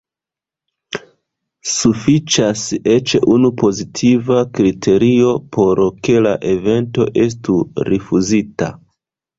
Sufiĉas eĉ unu pozitiva kriterio por ke la evento estu rifuzita.